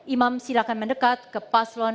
imam silahkan mendekat ke paslon satu